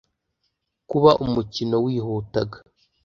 Kuba umukino wihutaga